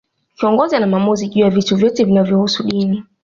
Kiongozi ana maamuzi juu ya vitu vyote vinavyohusu dini